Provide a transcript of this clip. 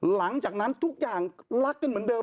หลังจากนั้นทุกอย่างรักกันเหมือนเดิม